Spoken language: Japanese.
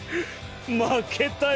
まけたよ。